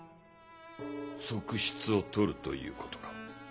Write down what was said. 側室をとるということか。